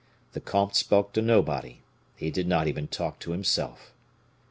The comte spoke to nobody; he did not even talk to himself.